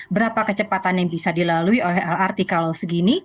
berapa kecepatan yang bisa dilalui oleh lrt kalau segini